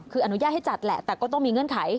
คืออนุญาตให้จัดแหละแต่ก็ต้องมีเงื่อนไข